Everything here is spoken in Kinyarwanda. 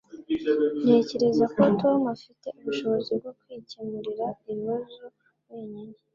Ntekereza ko Tom afite ubushobozi bwo kwikemurira ibibazo wenyine